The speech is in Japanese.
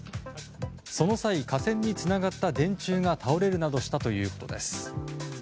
その際、架線につながった電柱が倒れるなどしたということです。